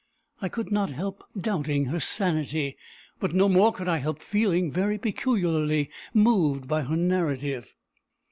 I could not help doubting her sanity; but no more could I help feeling very peculiarly moved by her narrative.